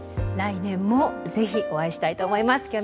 来年もぜひお会いしたいと思います。